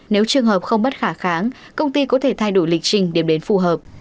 nếu trường hợp không bất khả kháng công ty có thể thay đổi lịch trình điểm đến phù hợp